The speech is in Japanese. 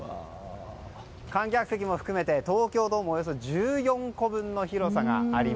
観客席も含めて東京ドームおよそ１４個分の広さ。